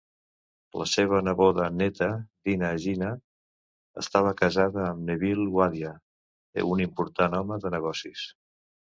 La seva neboda-néta, Dina Jinnah, estava casada amb Neville Wadia, un important home de negocis.